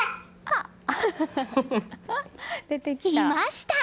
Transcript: いました！